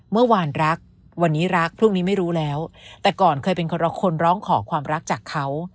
เมื่อวานรักวันนี้รักพรุ่งนี้ไม่รู้แล้วแต่ก่อนเคยเป็นคนละคนร้องขอความรักจากเขา